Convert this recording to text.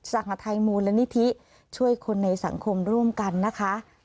สหรัฐไทยมูลและนิทิช่วยคนในสังคมร่วมกันนะคะ